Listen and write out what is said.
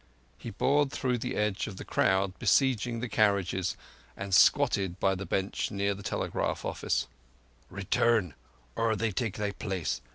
He bored through the edge of the crowd besieging the carriages, and squatted by the bench near the telegraph office. "Return, or they take thy place!